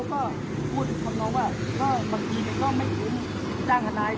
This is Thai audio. ตอนนี้กำหนังไปคุยของผู้สาวว่ามีคนละตบ